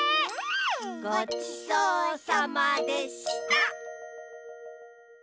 ごちそうさまでした！